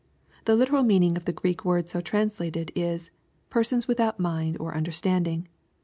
] The literal meaning of the Greek word so trans lated is, "persons without mind t>r understanding."